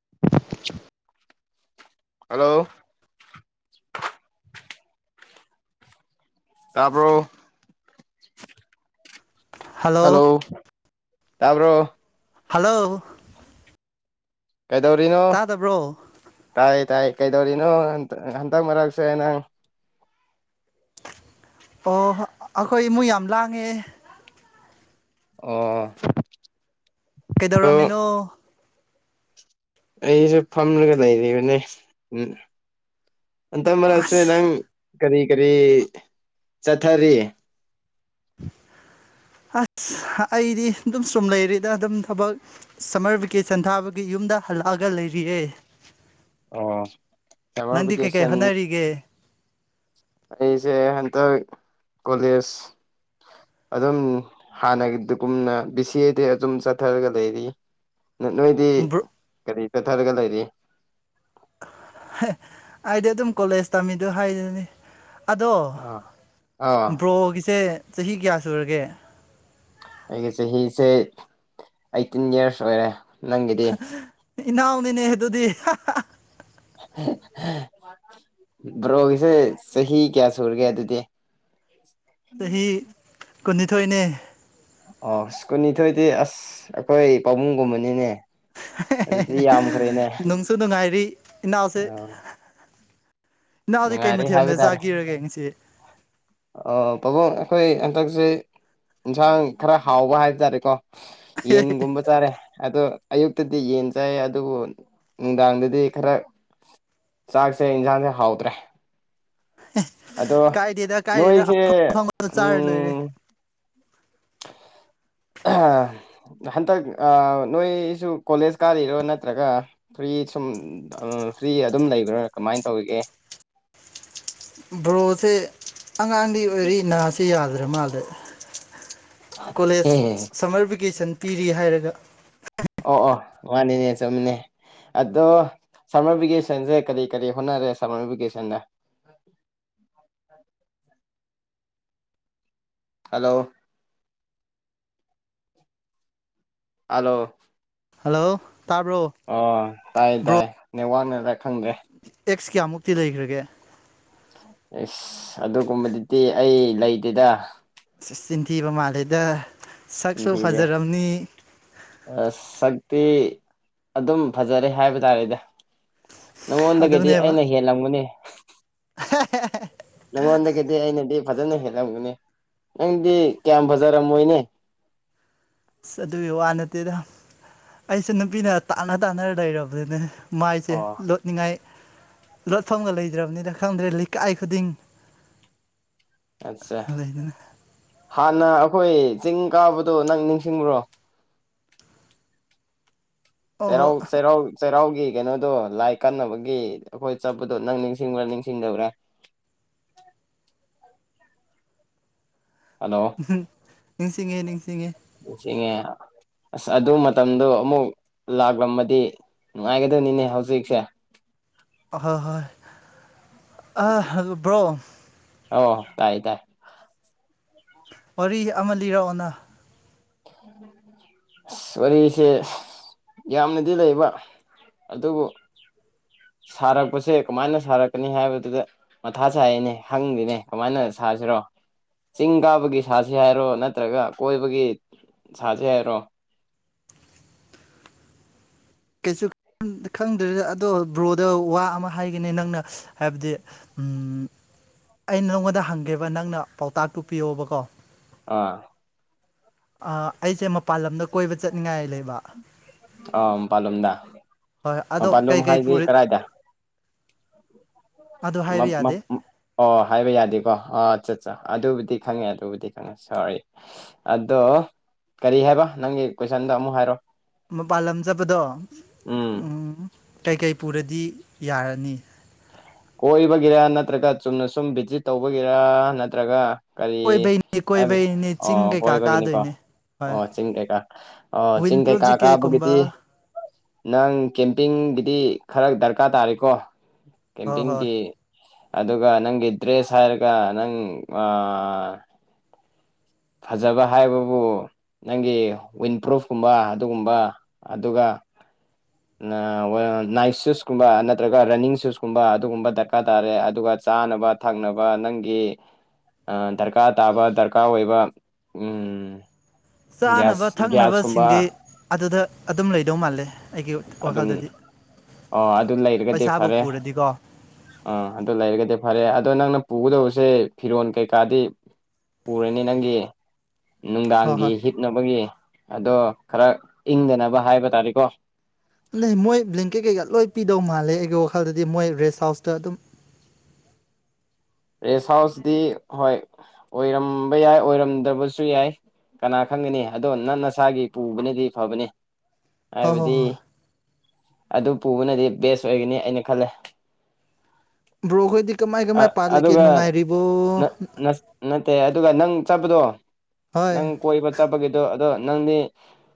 [inaudible] hello ꯇꯄꯔ hello ꯇꯕ꯭ꯔꯣ hello ꯀꯩꯗꯧꯔꯤꯅꯣ ꯇꯥꯗꯕ꯭ꯔꯣ ꯇꯥꯏ ꯇꯥꯏ ꯀꯩꯗꯧꯔꯤꯅꯣ ꯍꯟꯇꯛ ꯃꯔꯛꯁꯦ ꯅꯪ ꯑꯣ ꯑꯩꯈꯣꯏ ꯏꯃꯨꯡ ꯌꯥꯝ ꯂꯥꯡꯉꯦ ꯑꯣ ꯑꯣ ꯀꯩꯗꯧꯔꯝꯃꯤꯅꯣ ꯑꯩꯁꯨ ꯐꯝꯂꯒ ꯂꯩꯔꯤꯕꯅꯦ ꯎꯝ ꯑ ꯃꯔꯛꯁꯦ ꯅꯪ ꯑꯁ ꯀꯔꯤ ꯀꯔꯤ ꯆꯠꯊꯔꯤ [inaudible] ꯑꯁ ꯑꯩꯗꯤ ꯑꯗꯨꯝ ꯁꯨꯝ ꯂꯩꯔꯤꯗ ꯑꯗꯨꯝ ꯊꯕꯛ ꯁꯝꯃꯔ ꯚꯦꯀꯦꯁꯟ ꯊꯥꯕꯒꯤ ꯌꯨꯝꯗ ꯍꯜꯂꯛꯑꯒ ꯂꯩꯔꯤꯌꯦꯦ ꯑꯣ ꯁꯝꯃꯔ ꯅꯗꯤ ꯀꯩ ꯀꯩ ꯚꯦꯀꯦꯁꯟ ꯍꯣꯅꯒ ꯑꯩꯁꯦ ꯍꯟꯇꯛ ꯀꯣꯂꯦꯖ ꯑꯗꯨꯝ ꯍꯥꯟꯅꯒꯤꯗꯨꯒꯨꯝꯅ ꯕꯤ ꯁꯤ ꯑꯦꯗꯤ ꯑꯗꯨꯝ ꯆꯠꯊꯔꯒ ꯂꯩꯔꯤ ꯅꯣꯏꯗꯤ ꯕ꯭ꯔꯣ ꯀꯔꯤ ꯆꯠꯊꯔꯒ ꯂꯩꯔꯤ ꯑꯦ ꯑꯩꯗꯤ ꯑꯗꯨꯝ ꯀꯣꯂꯦꯖ ꯇꯝꯃꯤꯗꯣ ꯍꯥꯏꯗꯨꯅꯤ ꯑꯗꯣ ꯑꯥ ꯑꯥ ꯕ꯭ꯔꯣꯒꯤꯁꯦ ꯆꯍꯤ ꯀꯌꯥ ꯁꯨꯔꯒꯦ ꯑꯩꯒꯤ ꯆꯍꯤꯁꯦ ꯑꯩꯠꯇꯤꯟ ꯌꯔꯁ ꯑꯣꯏꯔꯦ ꯅꯪꯒꯤꯗꯤ ꯏꯅꯥꯎꯅꯤꯅꯦ ꯑꯗꯨꯗꯤ [unintelligible] ꯕ꯭ꯔꯣꯒꯤꯁꯦ ꯆꯍꯤ ꯀꯌꯥ ꯁꯨꯔꯒꯦ ꯑꯗꯨꯗꯤ ꯆꯍꯤ ꯀꯨꯟꯅꯤꯊꯣꯏꯅꯦ ꯑꯣ ꯀꯨꯟꯅꯤꯊꯣꯏꯗꯤ ꯑꯁ ꯑꯩꯈꯣꯏ ꯄꯥꯕꯨꯡꯒꯨꯝꯕꯅꯤꯅꯦ ꯑꯗꯨꯗꯤ ꯌꯥꯝꯈꯔꯦꯅꯦ ꯏꯅꯥ ꯑꯁ ꯃ ꯉꯔꯤ ꯍꯕꯗꯔꯦ ꯉꯁꯤ ꯑꯣ ꯄꯕꯨꯡ ꯑꯩꯈꯣꯏ ꯍꯟꯗꯛꯁꯦ ꯏꯟꯁꯥꯡ ꯈꯔ ꯍꯥꯎꯕ ꯍꯥꯏꯕ ꯇꯥꯔꯦꯀꯣ ꯌꯦꯟꯒꯨꯝꯕ ꯆꯥꯔꯦ ꯑꯗꯣ ꯑꯌꯨꯛꯇꯗꯤ ꯌꯦꯟ ꯆꯥꯏ ꯑꯗꯨꯕꯨ ꯅꯨꯡꯗꯥꯡꯗꯗꯤ ꯈꯔ ꯆꯥꯛꯁꯦ ꯌꯦꯟꯁꯥꯡꯁꯦ ꯍꯥꯎꯗ꯭ꯔꯦ ꯑꯗꯣ ꯀꯥꯏꯗꯦꯗ ꯀꯥꯏꯗꯦꯗ ꯅꯅꯨꯡꯁꯦ ꯑꯐꯪ ꯑꯐꯪꯕꯗ ꯆꯥꯔ ꯂꯣꯏꯔꯦ ꯎꯝ ꯑ ꯍꯟꯗꯛ ꯅꯣꯏꯁꯨ ꯀꯣꯂꯦꯖ ꯀꯥꯔꯤꯔꯣ ꯅꯠꯇ꯭ꯔꯒ ꯐꯔꯤ ꯁꯨꯝ ꯐ꯭ꯔꯤ ꯑꯗꯨꯝ ꯂꯩꯕ꯭ꯔꯥ ꯀꯃꯥꯏꯅ ꯇꯧꯔꯤꯒꯦ ꯕ꯭ꯔꯣꯁꯦ ꯑꯉꯥꯡꯗꯤ ꯑꯣꯏꯔꯛꯏ ꯅꯥꯁꯦ ꯌꯥꯗ꯭ꯔꯦ ꯃꯥꯜꯗ ꯀꯣꯂꯦꯖ ꯁꯝꯃꯔ ꯚꯦꯀꯦꯁꯟ ꯄꯤꯔꯤ ꯍꯥꯏꯔꯒ ꯑꯣ ꯑꯣ ꯋꯥꯅꯤꯅꯦ ꯆꯨꯝꯃꯤꯅꯦ ꯑꯗꯣ ꯁꯝꯃꯔ ꯚꯦꯀꯦꯁꯟꯁꯦ ꯀꯔꯤ ꯀꯔꯤ ꯍꯣꯠꯅꯔꯦ ꯁꯔꯃꯔ ꯚꯦꯀꯦꯁꯟꯗ [unintelligible] ꯍꯂꯣ ꯍꯜꯂꯣ ꯍꯜꯂꯣ ꯇꯥꯕ꯭ꯔꯣ ꯑ ꯇꯥꯏ ꯕ꯭ꯔꯣ ꯇꯥꯏ ꯅ ꯋꯥꯅꯔ ꯈꯪꯗꯦ ꯑꯦꯛꯁ ꯀꯌꯥꯃꯨꯛꯇꯤ ꯂꯩꯈ꯭ꯔꯒꯦ ꯑꯁ ꯑꯗꯨꯒꯨꯝꯕꯗꯨꯗꯤ ꯑꯩ ꯂꯩꯗꯦꯗ ꯑ ꯆꯤꯟꯊꯤꯕ ꯃꯥꯜꯂꯦꯗ ꯁꯛꯁꯨ ꯗꯤꯤꯗ ꯐꯖꯔꯝꯅꯤ ꯑ ꯁꯛꯇꯛꯇ ꯑꯗꯨꯝ ꯐꯖꯔꯦ ꯍꯥꯏꯕ ꯇꯥꯔꯦꯗ ꯅꯉꯣꯟꯗꯒꯤꯗꯤ ꯑꯗꯨꯅꯦꯕ ꯑꯩꯅ ꯍꯦꯜꯂꯝꯒꯅꯤ ꯅꯪ ꯑꯣꯗ ꯀꯩꯗꯤꯦ ꯑꯩꯅꯗꯤ ꯐꯖꯅ ꯍꯦꯜꯂꯝꯒꯅꯤ ꯅꯪꯗꯤ ꯀꯌꯥꯝ ꯐꯖꯔꯝꯃꯣꯏꯅꯦ ꯑꯁ ꯑꯗꯨꯒꯤ ꯋꯥ ꯅꯠꯇꯦꯗ ꯑꯩꯁꯦ ꯅꯨꯄꯤꯅ ꯇꯥꯟꯅ ꯇꯥꯅꯔ ꯂꯩꯔꯕꯗꯨꯅꯦ ꯃꯥꯏꯁꯦ ꯑꯣ ꯂꯣꯠꯅꯤꯡꯉꯥꯏ ꯂꯣꯠꯐꯝꯒ ꯂꯩꯇ꯭ꯔꯕꯅꯤꯅ ꯈꯪꯗ꯭ꯔꯦ ꯂꯩꯀꯥꯏ ꯈꯨꯗꯤꯡ ꯑꯠꯆꯥ ꯂꯩꯣꯏꯗꯅ ꯍꯥꯟꯅ ꯑꯩꯈꯣꯏ ꯆꯤꯡ ꯀꯥꯕꯗꯣ ꯅꯪ ꯅꯤꯡꯁꯤꯡꯕ꯭ꯔꯣ ꯁꯦꯔꯎ ꯑꯣ ꯁꯦ ꯔꯥꯎ ꯁꯦꯔꯎ ꯑꯩꯒꯤ ꯀꯩꯅꯣꯗꯣ ꯂꯥꯏ ꯀꯟꯅꯕꯒꯤ ꯑꯩꯈꯣꯏ ꯆꯠꯄꯗꯣ ꯅꯪ ꯅꯤꯡꯁꯤꯡꯕ꯭ꯔꯥ ꯅꯤꯡꯁꯤꯡꯖꯧꯔꯦ [inaudible] ꯅꯤꯡꯁꯤꯡꯉꯦ ꯅꯤꯡꯁꯤꯡꯉꯦ ꯍꯜꯂꯣꯉ ꯑꯁ ꯑꯗꯨ ꯃꯇꯝꯗꯣ ꯑꯃꯨꯛ ꯂꯥꯛꯂꯝꯕꯗꯤ ꯍꯥꯏꯦꯗꯦꯅꯤꯅꯦ ꯍꯧꯁꯤ ꯏꯁꯦ ꯍꯣꯏ ꯍꯣꯏ ꯕ꯭ꯔꯣ ꯑꯣ ꯇꯥꯏ ꯇꯥꯏ ꯋꯥꯔꯤ ꯑꯃ ꯂꯤꯔꯛꯑꯣꯅ ꯋꯥꯔꯤꯁꯦ ꯌꯥꯝꯅꯗꯤ ꯂꯩꯕ ꯑꯗꯨꯕꯨ ꯁꯥꯔꯛꯄꯁꯦ ꯀꯃꯥꯏꯅ ꯁꯥꯔꯛꯀꯅꯤ ꯍꯥꯏꯕꯗꯨꯗ ꯃꯊꯥ ꯆꯥꯏꯅꯦ ꯍꯪꯗꯦꯅꯦ ꯀꯃꯥꯏꯅ ꯁꯥꯁꯤꯔꯣ ꯆꯤꯡ ꯀꯥꯕꯒꯤ ꯁꯥꯁꯤ ꯍꯥꯏꯔꯣ ꯅꯠꯇ꯭ꯔꯒ ꯀꯣꯏꯕꯒꯤ ꯁꯥꯁꯤ ꯍꯥꯏꯔꯣ ꯀꯩꯁꯨ ꯈꯪꯗ꯭ꯔꯦꯗ ꯑꯗꯣ ꯕ꯭ꯔꯣꯗ ꯋꯥ ꯑꯃ ꯍꯥꯏꯒꯅꯤ ꯅꯪꯅ ꯍꯥꯏꯕꯗꯤ ꯑꯩ ꯅꯪꯣꯟꯗ ꯍꯪꯒꯦꯕ ꯅꯪꯅ ꯄꯥꯎꯇꯥꯛꯇꯨ ꯄꯤꯌꯣꯕꯀꯣ ꯑꯥ ꯑꯩꯁꯦ ꯃꯄꯥꯟ ꯂꯝꯗ ꯀꯣꯏꯕ ꯆꯠꯅꯤꯡꯉꯥꯏ ꯂꯩꯕ ꯍꯣꯏ ꯍ ꯑꯗꯣ ꯄꯂꯝ ꯀꯩꯀꯩ ꯍꯥꯏꯥꯏꯗ ꯄꯨꯔ ꯀꯥꯏꯗ ꯑꯗꯣ ꯍꯥꯏꯕ ꯌꯥꯗꯦ ꯑꯣ ꯍꯥꯏꯕ ꯌꯥꯗꯦꯀꯣ ꯑ ꯆꯠ ꯑꯗꯨꯕꯨꯗꯤ ꯈꯪꯉꯦ ꯑꯗꯨꯕꯨꯗꯤ ꯈꯪꯉꯦ ꯁꯣꯔꯤ ꯑꯗꯣ ꯀꯔꯤ ꯍꯥꯏꯕ ꯅꯪꯒꯤ ꯀꯣꯏꯁꯟꯗ ꯑꯃꯨꯛ ꯍꯥꯏꯔꯣ ꯃꯄꯥꯜꯂꯝꯖꯕꯗꯣ ꯎꯝ ꯀꯩꯀꯩ ꯄꯨꯔꯗꯤ ꯌꯥꯔꯅꯤ ꯀꯣꯏꯕꯒꯤꯔ ꯅꯠꯇ꯭ꯔꯒ ꯆꯨꯝꯅ ꯁꯨꯝ ꯚꯤꯖꯤꯠ ꯇꯧꯕꯒꯤꯔ ꯅꯠꯇ꯭ꯔꯒ ꯀꯔꯤ ꯀꯣꯏꯕꯩꯅꯤ ꯍꯥꯏ ꯀꯣꯏꯕꯩꯅꯤ ꯆꯤꯡ ꯑꯣ ꯀꯩꯀꯥ ꯀꯕꯒꯤꯅꯤ ꯀꯣ ꯀꯥꯗꯣꯏꯅꯦ ꯍꯣꯏ ꯑꯣ ꯆꯤꯡꯀꯩ ꯀꯥ ꯑꯣ ꯆꯤꯡ ꯋꯤꯟ ꯀꯩ ꯄ꯭ꯔꯨꯞ ꯀꯥ ꯀꯥ ꯖꯤꯀꯦꯠꯀꯨꯝꯕ ꯒꯤꯗꯤ ꯅꯪ ꯀꯦꯝꯄꯤꯡꯒꯤꯗꯤ ꯈꯔ ꯗꯔꯀꯥꯔ ꯇꯥꯔꯦꯀꯣ ꯍꯣꯏ ꯍꯣꯏ ꯀꯦꯝꯄꯤꯡꯒꯤ ꯑꯗꯨꯒ ꯅꯪꯒꯤ ꯗ꯭ꯔꯦꯁ ꯍꯥꯏꯔꯒ ꯅꯪ ꯐꯖꯕ ꯍꯥꯏꯕꯕꯨ ꯅꯪꯒꯤ ꯋꯤꯟꯄ꯭ꯔꯨꯐꯀꯨꯝꯕ ꯑꯗꯨꯒꯨꯝꯕ ꯑꯗꯨꯒ [inaudible] ꯅꯥꯕ ꯅꯥꯏꯛ ꯁꯨꯁꯀꯨꯝꯕ ꯅꯠꯇ꯭ꯔꯒ ꯔꯟꯅꯤꯡ ꯁꯨꯁꯀꯨꯝꯕ ꯑꯗꯨꯒꯨꯝꯕ ꯗꯔꯀꯥꯔ ꯇꯥꯔꯦ ꯑꯗꯨꯒ ꯆꯥꯅꯕ ꯊꯛꯅꯕ ꯅꯪꯒꯤ ꯗꯔꯀꯥꯔ ꯇꯥꯕ ꯗꯔꯀꯥꯔ ꯑꯣꯏꯕ ꯎꯝ ꯆꯥꯅꯕ ꯌꯥꯁ ꯒꯌꯥ꯭ꯁ ꯀꯨꯝꯕ ꯊꯛꯅꯕꯁꯤꯡꯗꯤ ꯑꯗꯨꯗ ꯑꯗꯨꯝ ꯂꯩꯗꯧ ꯃꯥꯜꯂꯦ ꯑꯩꯒꯤ ꯑꯗꯨꯝ ꯋꯥꯈꯜꯗꯗꯤ ꯑꯣ ꯑꯗꯨ ꯂꯩꯔꯒꯗꯤ ꯄꯩꯁꯥꯕꯨ ꯐꯔꯦ ꯄꯨꯔꯗꯤꯀꯣ ꯎꯝ ꯑꯗꯨ ꯂꯩꯔꯒꯗꯤ ꯐꯔꯦ ꯑꯗꯣ ꯅꯪꯅ ꯄꯨꯒꯗꯕꯁꯦ ꯐꯤꯔꯣꯜ ꯀꯩꯀꯥꯗꯤ ꯄꯨꯔꯅꯤ ꯅꯪꯒꯤ ꯍꯣꯏ ꯅꯨꯡꯗꯥꯡꯒꯤ ꯍꯣꯏ ꯍꯤꯞꯅꯕꯒꯤ ꯑꯗꯣ ꯈꯔ ꯏꯪꯗꯅꯕ ꯍꯥꯏꯕ ꯇꯥꯔꯦꯀꯣ ꯅ ꯃꯣꯏ ꯭ꯂꯂꯦꯝꯡꯀꯦ ꯀꯩꯒ ꯂꯣꯏ ꯄꯤꯗꯧ ꯃꯥꯜꯂꯦ ꯑꯩꯒꯤ ꯋꯥꯈꯜꯗꯗꯤ ꯃꯣꯏ ꯔꯦꯁ ꯍꯥꯎꯁꯇ ꯑꯗꯨꯝ ꯔꯦꯁ ꯍꯥꯎꯁꯇꯤ ꯍꯣꯏ ꯑꯣꯏꯔꯝꯕ ꯌꯥꯏ ꯑꯣꯏꯔꯝꯗꯕꯁꯨ ꯌꯥꯏ ꯀꯅꯥ ꯈꯪꯒꯅꯤ ꯑꯗꯣ ꯅꯪ ꯅꯁꯥꯒꯤ ꯄꯨꯕꯅꯗꯤ ꯐꯕꯅꯤ ꯍꯣꯏ ꯍꯣꯏ ꯍꯥꯏꯕꯗꯤ ꯍꯣꯏ ꯑꯗꯨ ꯄꯨꯕꯅꯗꯤ ꯕꯦꯁ ꯑꯣꯏꯒꯅꯤ ꯑꯩꯅ ꯈꯜꯂꯦ ꯭ꯔꯣꯍꯣꯏ ꯑ ꯑꯗꯨꯒ ꯅꯦ ꯑꯗꯨꯒ ꯅꯪ ꯆꯠꯄꯗꯣ ꯍꯣꯏ ꯅꯪ ꯀꯣꯏꯔꯤꯕ ꯆꯠꯄꯒꯤꯗꯣ ꯑꯗꯣ ꯅꯪꯗꯤ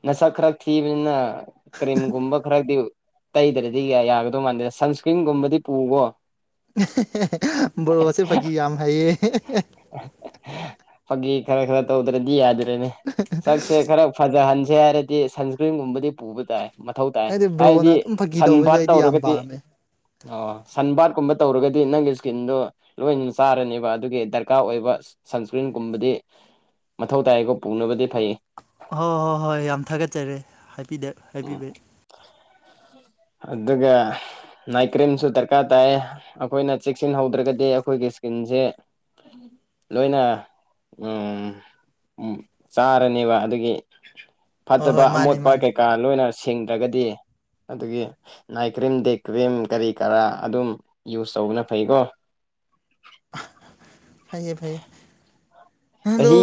ꯅꯁꯛ ꯈꯔ ꯊꯤꯕꯅꯤꯅ ꯀꯔꯤꯝꯒꯨꯝꯕ ꯈꯔꯗꯤ ꯇꯩꯗ꯭ꯔꯗꯤ ꯌꯥꯒꯗꯧ ꯃꯥꯟꯗꯦꯗ ꯁꯟꯁꯀ꯭ꯔꯤꯟꯒꯨꯝꯕꯗꯤ ꯄꯨꯎꯕꯣ ꯕꯣꯔꯣꯁꯦ ꯐꯥꯒꯤ ꯌꯥꯝ ꯍꯩꯌꯦ ꯐꯒꯤ ꯈꯔ ꯈꯔ ꯇꯧꯗ꯭ꯔꯗꯤ ꯌꯥꯗꯦ ꯑꯗꯨꯅꯦ ꯁꯛꯁꯦ ꯈꯔ ꯐꯖꯍꯟꯁꯦ ꯍꯥꯏꯔꯗꯤ ꯁꯟꯁꯀ꯭ꯔꯤꯟꯒꯨꯝꯕꯗꯤ ꯄꯨꯕ ꯇꯥꯏ ꯃꯊꯧ ꯇꯥꯏ ꯑꯩꯗꯤ ꯍꯥꯏꯗꯤ ꯕ꯭ꯔꯣꯅ ꯑꯗꯨꯝ ꯐꯥꯒꯤ ꯁꯟ ꯇꯧꯕꯁꯦ ꯕꯥꯠ ꯑꯩꯗꯤ ꯌꯥꯝ ꯇꯧꯔꯒꯗꯤ ꯄꯥꯝꯃꯦ ꯑꯣ ꯁꯟꯕꯥꯠꯀꯨꯝꯕ ꯇꯧꯔꯒꯗꯤ ꯅꯪꯒꯤ ꯏꯁꯀꯤꯟꯗꯨꯣ ꯂꯣꯏꯅ ꯆꯥꯔꯅꯦꯕ ꯑꯗꯨꯒꯤ ꯗꯔꯀꯥ ꯗꯔꯀꯥꯔ ꯑꯣꯏꯕ ꯁꯟꯁꯀ꯭ꯔꯤꯟꯒꯨꯝꯕꯗꯤ ꯃꯊꯧ ꯇꯥꯏꯀꯣ ꯄꯨꯅꯕꯗꯤ ꯐꯩ ꯍꯣꯏ ꯍꯣꯏ ꯍꯣꯏ ꯌꯥꯝ ꯊꯥꯒꯠꯆꯔꯤꯦ ꯍꯥꯏꯕ ꯑꯗꯨꯒ ꯅꯥꯏꯀ꯭ꯔꯦꯟꯁꯨ ꯗꯔꯀꯥꯔ ꯇꯥꯏ ꯑꯩꯈꯣꯏꯅ ꯆꯦꯛꯁꯤꯟꯍꯧꯗ꯭ꯔꯒꯗꯤ ꯑꯩꯈꯣꯏꯒꯤ ꯀꯖꯦ ꯂꯣꯏꯅ ꯆꯥꯔꯅꯦꯕ ꯑꯗꯨꯒꯤ ꯍꯣꯏ ꯐꯠꯇꯕ ꯍꯣꯏ ꯃꯥꯅꯦ ꯑꯃꯣꯠꯄ ꯃꯥꯅꯦ ꯀꯩꯀꯥ ꯂꯣꯏꯅ ꯁꯦꯡꯗ꯭ꯔꯒꯗꯤ ꯑꯗꯨꯒꯤ ꯅꯥꯏꯠ ꯀ꯭ꯔꯤꯝ ꯗꯦ ꯀ꯭ꯔꯤꯝ ꯀꯔꯤ ꯀꯔꯥ ꯑꯗꯨꯝ ꯌꯨꯁ ꯇꯧꯕꯅ ꯐꯩꯀꯣ ꯐꯩꯌꯦ ꯐꯩꯌꯦ ꯑꯗꯣ ꯆꯍꯤ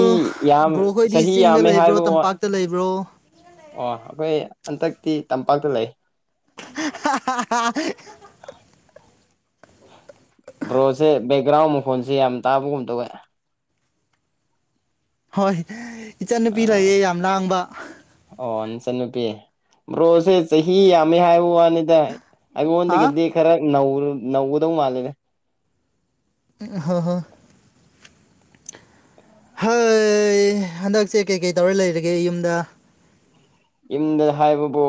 ꯌꯥꯝ ꯕ꯭ꯔꯣ ꯑꯩꯈꯣꯏꯗꯤ ꯆꯍꯤ ꯆꯤꯡꯗ ꯌꯥꯝꯃꯦ ꯂꯩꯕ꯭ꯔꯣ ꯍꯥꯏꯕ ꯋꯥ ꯇꯝꯄꯥꯛꯇ ꯂꯩꯕ꯭ꯔꯣ ꯑꯣ ꯑꯩꯈꯣꯏ ꯍꯟꯗꯛꯇꯤ ꯇꯝꯄꯥꯛꯇ ꯂꯩ [unintelligible] ꯕ꯭ꯔꯣꯁꯦ ꯕꯦꯛꯒ꯭ꯔꯥꯎꯟ ꯃꯈꯣꯟꯁꯦ ꯌꯥꯝ ꯇꯥꯕꯒꯨꯝ ꯇꯧꯋꯦ ꯍꯣꯏ ꯏꯆꯟꯅꯨꯄꯤ ꯑꯥ ꯂꯩꯌꯦ ꯌꯥꯝ ꯂꯥꯡꯕ ꯏꯆꯟꯅꯨꯄꯤ ꯕ꯭ꯔꯣꯁꯦ ꯆꯍꯤ ꯌꯥꯝꯃꯦ ꯍꯥꯏꯕ ꯋꯥꯅꯤꯗ ꯑ ꯑꯩꯉꯣꯟꯗꯒꯤꯗꯤ ꯈꯔ ꯅ ꯅꯧꯗꯧ ꯃꯥꯜꯂꯦꯅꯦ ꯍꯣꯏ ꯍꯣꯏ ꯑꯩ ꯍꯟꯗꯛꯁꯦ ꯀꯩꯀꯩ ꯇꯧꯔ ꯂꯩꯔꯒꯦ ꯌꯨꯝꯗ ꯌꯨꯝꯗ ꯍꯥꯏꯕꯕꯕꯨ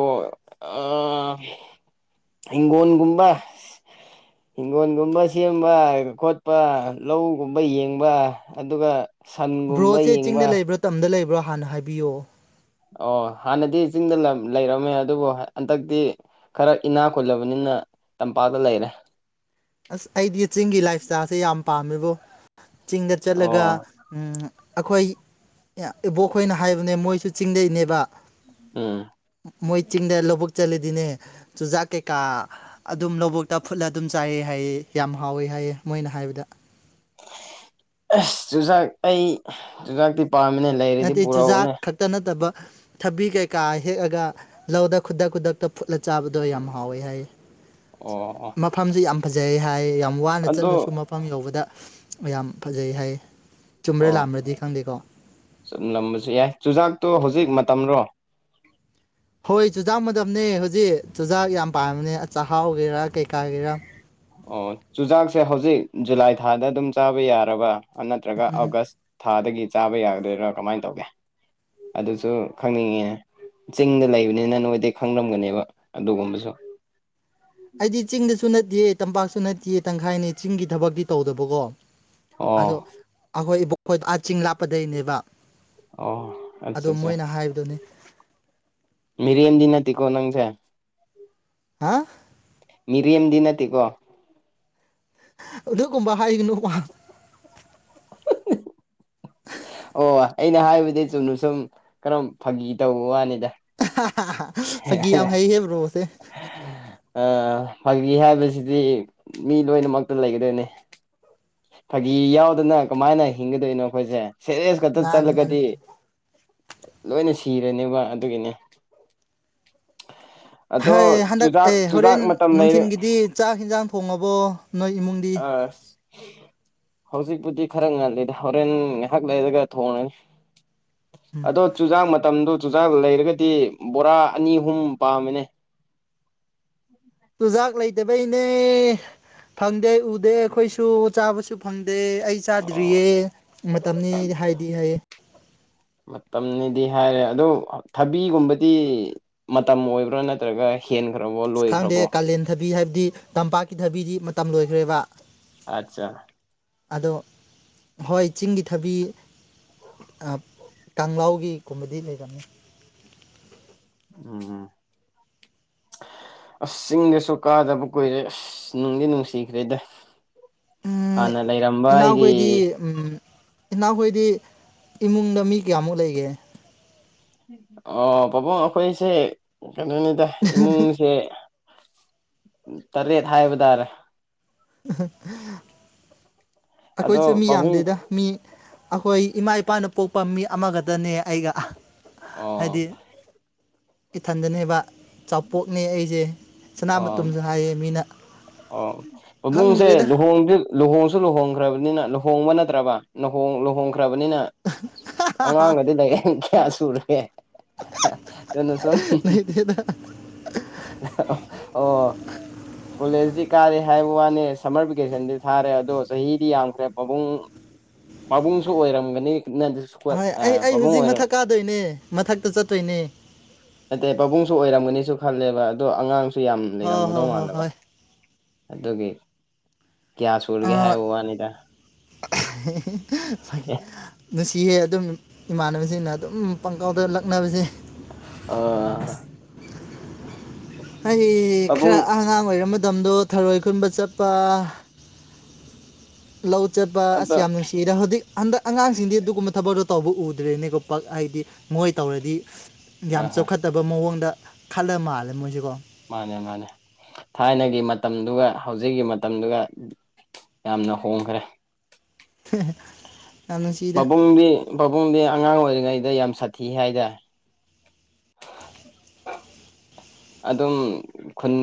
ꯑ ꯏꯒꯣꯟꯟꯒꯕ ꯍꯤꯡꯒꯣꯣꯟꯒꯨꯝꯕ ꯁꯦꯝꯕ ꯈꯣꯠꯄ ꯂꯧꯒꯨꯝꯕ ꯌꯦꯡꯕ ꯑꯗꯨꯒ ꯁꯟꯒꯨꯝꯕ ꯕ꯭ꯔꯣꯁꯦ ꯌꯦꯡꯕ ꯆꯤꯡꯗ ꯂꯩꯕ꯭ꯔꯥ ꯇꯝꯗ ꯂꯩꯕ꯭ꯔꯥ ꯍꯥꯟꯅ ꯍꯥꯏꯕꯤꯌꯨ ꯑꯣ ꯍꯥꯟꯅꯗꯤ ꯆꯤꯡꯗ ꯂꯩꯔꯝꯃꯦ ꯑꯗꯨꯕꯨ ꯍꯟꯗꯛꯇꯤ ꯈꯔ ꯏꯅꯥ ꯈꯨꯜꯂꯕꯅꯤꯅ ꯇꯝꯄꯥꯛꯇ ꯂꯩꯔꯦ ꯑꯁ ꯑꯩꯗꯤ ꯆꯤꯡꯒꯤ ꯂꯥꯏꯞ ꯏꯁꯇꯥꯏꯜꯁꯦ ꯌꯥꯝ ꯄꯥꯝꯃꯦꯕ ꯆꯤꯡꯗ ꯑꯣ ꯆꯠꯂꯒ ꯑꯩꯈꯣꯏ ꯏꯕꯣꯛꯈꯣꯏꯅ ꯍꯥꯏꯕꯅꯦ ꯃꯣꯏꯁꯨ ꯆꯤꯡꯗꯩꯅꯦꯕ ꯎꯝ ꯃꯣꯏ ꯆꯤꯡꯗ ꯂꯧꯕꯨꯛ ꯆꯠꯂꯤꯗꯤꯅꯦ ꯆꯨꯖꯥꯛ ꯀꯩꯀꯥ ꯑꯗꯨꯝ ꯂꯧꯕꯨꯇ ꯐꯨꯠꯂ ꯑꯗꯨꯝ ꯆꯥꯏꯑ ꯍꯥꯏꯌꯦ ꯌꯥꯝ ꯍꯥꯎꯋꯦ ꯍꯥꯏꯌꯦꯦ ꯃꯣꯏꯅ ꯍꯥꯏꯕꯗ ꯑꯁ ꯆꯨꯖꯥꯛ ꯑꯩ ꯆꯨꯖꯥꯛꯇꯤ ꯄꯥꯝꯃꯤꯅꯦ ꯂꯩꯔꯗꯤ ꯅꯠꯇꯦ ꯄꯨꯔꯛꯎꯅꯦ ꯆꯨꯖꯥꯛ ꯈꯛꯇ ꯅꯠꯇꯕ ꯊꯕꯤ ꯀꯩꯀꯥ ꯍꯦꯛꯑꯒ ꯂꯧꯗ ꯈꯨꯗꯛ ꯈꯨꯗꯛꯇ ꯐꯨꯠꯂ ꯆꯥꯕꯗꯣ ꯌꯥꯝ ꯍꯥꯎꯋꯦ ꯍꯥꯏꯌꯦ ꯑꯣ ꯑꯣ ꯃꯐꯝꯁꯤ ꯌꯥꯝ ꯐꯖꯩ ꯍꯥꯏ ꯌꯥꯝ ꯋꯥꯅ ꯑꯗꯣ ꯆꯠꯂꯁꯨ ꯃꯐꯝ ꯌꯧꯕꯗ ꯌꯥꯝ ꯐꯖꯩ ꯍꯥꯏ ꯆꯨꯝꯕ꯭ꯔ ꯂꯥꯝꯕ꯭ꯔꯗꯤ ꯈꯪꯗꯦꯀꯣ ꯆꯨꯝ ꯅꯝꯕꯁꯨ ꯌꯥꯏ ꯆꯨꯖꯥꯛꯇꯣ ꯍꯧꯖꯤꯛ ꯃꯇꯝꯔꯣ ꯍꯣꯏ ꯆꯨꯖꯥꯛ ꯃꯇꯝꯅꯦ ꯍꯧꯖꯤꯛ ꯆꯨꯖꯥꯛ ꯌꯥꯝ ꯄꯥꯝꯕꯅꯦ ꯆꯥꯛꯍꯥꯎꯒꯦꯔꯥ ꯀꯩꯀꯥꯒꯤꯦꯔꯥ ꯑꯣ ꯆꯨꯖꯥꯛꯁꯦ ꯍꯧꯖꯤꯛ ꯖꯨꯂꯥꯏ ꯊꯥꯗ ꯑꯗꯨꯝ ꯆꯥꯕ ꯌꯥꯔꯕ ꯅꯠꯇ꯭ꯔꯒ ꯎꯝ ꯑꯒꯁ ꯊꯥꯗꯒꯤ ꯆꯥꯕ ꯌꯥꯒꯗꯣꯏꯔꯥ ꯀꯃꯥꯏꯅ ꯇꯧꯒꯦ ꯑꯗꯨꯁꯨ ꯈꯪꯅꯤꯡꯉꯤ ꯆꯤꯡꯗ ꯂꯩꯕꯅꯤꯅ ꯅꯣꯏꯗꯩ ꯈꯪꯂꯝꯒꯅꯦꯕ ꯑꯗꯨꯒꯨꯝꯕꯁꯨ ꯑꯩꯗꯤ ꯆꯤꯡꯗꯁꯨ ꯅꯠꯇꯦ ꯇꯝꯄꯥꯛꯁꯨ ꯅꯠꯇꯦ ꯇꯪꯈꯥꯏꯅꯤ ꯆꯤꯡꯒꯤ ꯊꯕꯛꯇꯤ ꯇꯧꯗꯕꯀꯣ ꯑꯣ ꯑꯗꯣ ꯑꯩꯈꯣꯏ ꯏꯕ‌ꯦꯛ ꯑ ꯆꯤꯡ ꯂꯥꯞꯄꯗꯩꯅꯦꯕ ꯑꯣ ꯑꯠꯆꯥ ꯑꯗꯣ ꯃꯣꯏꯅ ꯍꯥꯏꯕꯗꯨꯅꯤ ꯃꯤꯔ‌ꯦꯝꯗꯤ ꯅꯠꯇ‌ꯦꯀꯣ ꯅꯪꯁ‌ꯦ ꯍꯥ ꯃꯤꯔ‌ꯦꯝꯗꯤ ꯅꯠꯇꯦꯀꯣ ꯑꯗꯨꯒꯨꯝꯕ ꯍꯥꯏꯒꯅꯨꯕ [unintelligible] ꯑꯣ ꯑꯩꯅ ꯍꯥꯏꯕꯗꯤ ꯆꯨꯝꯅ ꯁꯨꯝ ꯀꯔꯝ ꯐꯥꯒꯤ ꯇꯧꯕ ꯋꯥꯅꯤꯗ ꯑꯍ ꯐꯒꯤ ꯌꯥꯝ ꯍꯩꯌ‌ꯦ ꯕ꯭ꯔꯣꯁꯦ ꯑ ꯐꯥꯒꯤ ꯍꯥꯏꯕꯁꯤꯗꯤ ꯃꯤ ꯂꯣꯏꯅꯃꯛꯇ ꯂꯩꯒꯗꯣꯏꯅꯦ ꯐꯥꯒꯤ ꯌꯥꯎꯗꯅ ꯀꯃꯥꯏꯅ ꯍꯤꯡꯒꯗꯣꯏꯅꯣ ꯑꯩꯈꯣꯏꯁꯦ ꯁꯦꯔꯤꯁ ꯈꯛꯇ ꯃꯥꯅꯤ ꯃꯥꯅꯤ ꯆꯠꯂꯒꯗꯤ ꯂꯣꯏꯅ ꯁꯤꯔꯅꯦꯕ ꯑꯗꯨꯒꯤꯅꯦ ꯑꯗꯣ ꯍꯥꯏ ꯍꯟꯗꯛ ꯆꯨꯖꯥꯛ ꯑꯦ ꯆꯨꯖꯥꯛ ꯍꯣꯔꯦꯟ ꯃꯇꯝ ꯂꯩꯔꯦ ꯅꯨꯡꯊꯤꯟꯒꯤꯗꯤ ꯆꯥꯛ ꯍꯤꯟꯖꯥꯡ ꯊꯣꯉꯡꯕꯣ ꯅꯣꯏ ꯏꯃꯨꯡꯗꯤ ꯑꯁ ꯍꯧꯖꯤꯛꯄꯨꯗꯤ ꯈꯔ ꯉꯜꯂꯤꯗ ꯍꯣꯔꯦꯟ ꯉꯥꯏꯍꯥꯛ ꯂꯩꯔꯒ ꯊꯣꯡꯉꯅꯤ ꯎꯝ ꯑꯗꯣ ꯆꯨꯖꯥꯛ ꯃꯇꯝꯗꯨ ꯆꯨꯖꯥꯛ ꯂꯩꯔꯒꯗꯤ ꯕꯣꯔꯥ ꯑꯅꯤ ꯑꯍꯨꯝ ꯄꯥꯝꯃꯤꯅꯦ ꯆꯨꯖꯥꯛ ꯂꯩꯇꯕꯩꯅꯦ ꯐꯪꯗꯦ ꯎꯗꯦ ꯑꯩꯈꯣꯏꯁꯨ ꯆꯥꯕꯁꯨ ꯐꯪꯗꯦ ꯑꯩ ꯆꯥꯗ꯭ꯔꯤꯌꯦ ꯃꯇꯝꯅꯤ ꯍꯥꯏꯗꯤ ꯍꯥꯏꯌꯦ [inaudible] ꯃꯇꯝꯅꯤꯗꯤ ꯍꯥꯏꯔꯦ ꯑꯗꯣ ꯊꯕꯤꯒꯨꯝꯕꯗꯤ ꯃꯇꯝ ꯑꯣꯏꯕ꯭ꯔꯥ ꯅꯠꯇ꯭ꯔꯒ ꯍꯦꯟꯈ꯭ꯔꯕꯣ ꯑꯁ ꯈꯪꯗꯦ ꯂꯣꯏꯈ꯭ꯔꯕꯣ ꯀꯥꯂꯦꯟ ꯊꯕꯤ ꯍꯥꯏꯕꯗꯤ ꯇꯝꯄꯥꯛꯀꯤ ꯊꯕꯤꯗꯤ ꯃꯇꯝ ꯂꯣꯏꯈ꯭ꯔꯦꯕ ꯑꯠꯆꯥ ꯑꯗꯣ ꯍꯣꯏ ꯆꯤꯡꯒꯤ ꯊꯕꯤ ꯀꯪꯂꯥꯎꯒꯤ ꯒꯨꯝꯕꯗꯤ ꯂꯩꯔꯝꯅꯤ ꯎꯝ ꯎꯝ ꯑꯁ ꯆꯤꯡꯗꯁꯨ ꯀꯥꯗꯕ ꯀꯨꯏꯔꯦ ꯑꯁ ꯅꯨꯡꯗꯤ ꯅꯨꯡꯁꯤꯈ꯭ꯔꯦꯗ ꯎꯝ ꯍꯥꯟꯅ ꯂꯩꯔꯝꯕ ꯑꯩꯒꯤ ꯏꯅꯥꯎꯈꯣꯏꯗꯤ ꯎꯝ ꯏꯅꯥꯎꯈꯣꯏꯗꯤ ꯏꯃꯨꯡꯗ ꯃꯤ ꯀꯌꯥꯃꯨꯛ ꯂꯩꯒꯦ ꯑꯣ ꯄꯥꯕꯨꯡ ꯑꯩꯈꯣꯏꯁꯦ ꯀꯩꯅꯣꯅꯤꯗ ꯏꯃꯨꯡꯁꯦ ꯇꯔꯦꯠ ꯍꯥꯏꯕꯥꯇꯥꯔꯦ [unintelligible] ꯑꯗꯣ ꯑꯩꯈꯣꯏꯁꯨ ꯃꯤ ꯄꯥꯕꯨꯡ ꯌꯥꯝꯗꯦꯗ ꯃꯤ ꯑꯩꯈꯣꯏ ꯏꯃꯥ ꯏꯄꯥꯅ ꯄꯣꯛꯄ ꯃꯤ ꯑꯃꯒꯗꯅꯦ ꯑꯩꯒ ꯑ‌ꯣ ꯍꯥꯏꯗꯤ ꯏꯊꯟꯗꯅꯦꯕ ꯆꯥꯎꯄꯣꯛꯅꯦ ꯑꯩꯁꯦ ꯁꯅꯥ ꯃꯇꯨꯝꯁꯨ ꯍꯥꯏꯌꯦ ꯃꯤꯅ ꯑ ꯄꯥꯕꯨꯡꯁꯦ ꯈꯪꯗ꯭ꯔꯦꯗ ꯂꯨꯍꯣꯡꯗ ꯂꯨꯍꯣꯡꯁꯨ ꯂꯨꯍꯣꯡꯈ꯭ꯔꯕꯅꯤꯅ ꯂꯨꯍꯣꯡꯕ ꯅꯠꯇ꯭ꯔꯕ ꯂꯨꯍꯣꯡ ꯂꯨꯍ‌ꯣꯡ ꯁꯈ꯭ꯔꯕꯅꯤꯅ ꯑꯉꯥꯡꯒꯗꯤ ꯂꯩ ꯀꯌꯥ ꯁꯨꯔꯨꯒ‌ꯦ ꯂꯩꯇꯦꯗ [unintelligible] ꯑꯣ ꯍꯧꯖꯤꯛ ꯀꯥꯔꯦ ꯍꯥꯏꯕ ꯋꯥꯅꯤ ꯁꯝꯃꯔ ꯚꯦꯀꯦꯁꯟꯗꯤ ꯊꯥꯔꯦ ꯑꯗꯣ ꯆꯍꯤꯗꯤ ꯌꯥꯝꯈ꯭ꯔꯦ ꯄꯕꯨꯡ ꯄꯥꯕꯨꯡꯁꯨ ꯑꯣꯏꯔꯝꯒꯅꯤ ꯍꯣꯏ ꯑꯩ ꯑꯩ ꯄꯥꯕꯨꯡ ꯍꯧꯖꯤꯛ ꯑꯣꯏꯔ ꯃꯊꯛ ꯀꯥꯗꯣꯏꯅꯦ ꯃꯊꯛꯇ ꯆꯠꯇꯣꯏꯅꯦ ꯅꯇꯩ ꯄꯥꯕꯨꯡꯁꯨ ꯑꯣꯏꯔꯝꯒꯅꯤꯁꯨ ꯈꯜꯂꯦꯕ ꯑꯗꯣ ꯑꯉꯥꯡꯁꯨ ꯌꯥꯝ ꯍꯣꯏ ꯂꯩꯔꯝꯒꯗꯧ ꯍꯣꯏ ꯍꯣꯏ ꯃꯥꯟꯅꯕ ꯍꯣꯏ ꯑꯗꯨꯗꯒꯤ ꯑꯦ ꯑ ꯆꯤꯍꯦ ꯑꯗꯨꯝ ꯏꯃꯥꯟꯅꯕꯁꯤꯡꯅ ꯑꯗꯨꯝ ꯄꯪꯀꯥꯎꯗ ꯂꯛꯅꯕꯁꯦ ꯑ ꯑꯩ ꯈꯔ ꯄꯥꯕꯨꯡ ꯑꯉꯥꯡ ꯑꯣꯏꯔꯝ ꯃꯇꯝꯗꯣ ꯊꯔꯣꯏ ꯈꯨꯟꯕ ꯆꯠꯄ ꯂꯧ ꯆꯠꯄ ꯑꯁꯤꯁ ꯑꯗꯣ ꯌꯥꯝ ꯅꯨꯡꯁꯤꯔꯦ ꯍꯧꯖꯤꯛ ꯍꯟꯗꯛ ꯑꯉꯥꯡꯁꯤꯡꯗꯤ ꯑꯗꯨꯒꯨꯝꯕ ꯊꯕꯛꯇꯣ ꯇꯧꯕ ꯎꯗ꯭ꯔꯦꯅꯦꯀꯣ ꯄ ꯍꯥꯏꯗꯤ ꯃꯣꯏ ꯇꯧꯔꯗꯤ ꯑ ꯌꯥꯝ ꯍꯣꯏ ꯆꯥꯎꯈꯠꯇꯕ ꯃꯑꯣꯡꯗ ꯈꯜꯂ ꯃꯥꯜꯂꯦ ꯃꯣꯏꯁꯦꯀꯣ ꯃꯥꯅꯦ ꯃꯥꯅꯦ ꯊꯥꯏꯅꯒꯤ ꯃꯇꯝꯗꯨꯒ ꯍꯧꯖꯤꯛꯀꯤ ꯃꯇꯝꯗꯨꯒ ꯌꯥꯝꯅ ꯍꯣꯡꯈ꯭ꯔꯦ [inaudible] ꯄꯥꯕꯨꯡꯗꯤ ꯄꯥꯕꯨꯡꯗꯤ ꯑꯉꯥꯡ ꯑꯣꯏꯔꯤ ꯩꯗ ꯌꯥꯝ ꯁꯥꯊꯤ ꯍꯥꯏꯇꯥ ꯑꯗꯨꯝ ꯈꯨꯟ